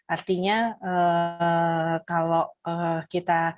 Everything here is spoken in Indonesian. artinya kalau kita